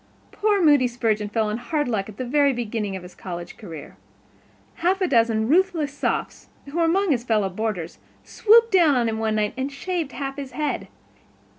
Poor Moody Spurgeon fell on hard luck at the very beginning of his college career. Half a dozen ruthless Sophs, who were among his fellow boarders, swooped down upon him one night and shaved half of his head.